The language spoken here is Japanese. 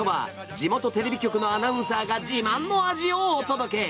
地元テレビ局のアナウンサーが自慢の味をお届け。